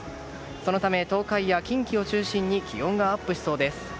そのため東海や近畿を中心に気温がアップしそうです。